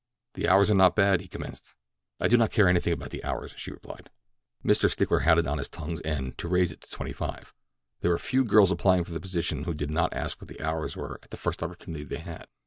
"The hours are not bad," he commenced. "I do not care anything about the hours," she replied. Mr. Stickler had it on his tongue's end to raise it to twenty five—there were few girls applying for positions who did not ask about the hours at the first opportunity they had.